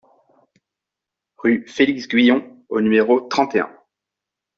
Rue Félix Guyon au numéro trente et un